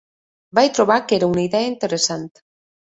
Vaig trobar que era una idea interessant.